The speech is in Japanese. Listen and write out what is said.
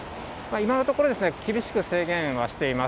今のところ、厳しく制限はしています。